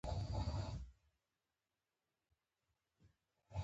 موږ بیا د هارډینګ ورونو دکان ته لاړو.